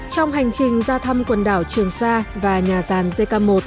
trong hành trình ra thăm quần đảo trường sa và nhà ràn jk một